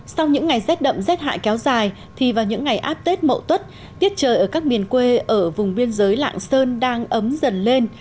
sau những ngày rét đậm rét hại kéo dài thì vào những ngày áp tết mậu tuất tiết trời ở các miền quê ở vùng biên giới lạng sơn đang ấm dần lên